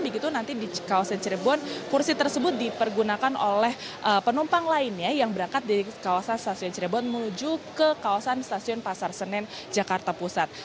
begitu nanti di kawasan cirebon kursi tersebut dipergunakan oleh penumpang lainnya yang berangkat dari kawasan stasiun cirebon menuju ke kawasan stasiun pasar senen jakarta pusat